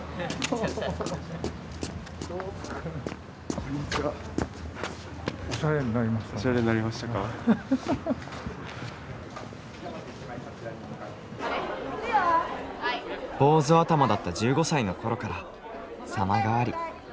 坊主頭だった１５歳のころから様変わり。